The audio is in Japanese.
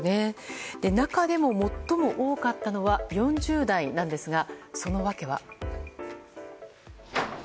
中でも最も多かったのは４０代なんですがその訳は。